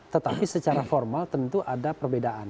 tetapi secara formal tentu ada perbedaan